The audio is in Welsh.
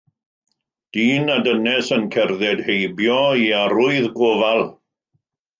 Dyn a dynes yn cerdded heibio i arwydd gofal.